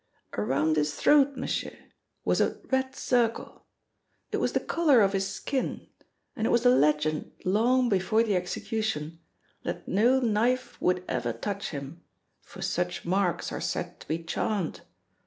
"Around his throat, m'sieur, was a red circle; it was the colour of his skin, and it was a legend long before the execution that no knife would ever touch him, for such marks are said to be charmed.